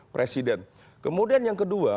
presiden kemudian yang kedua